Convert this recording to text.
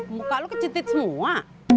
muka lo kecetit semua